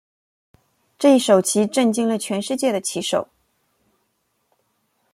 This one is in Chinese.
这一手棋震惊了全世界的棋手。